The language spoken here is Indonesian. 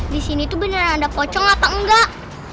disini tuh beneran ada pocong apa enggak